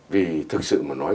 vì thực sự mà nói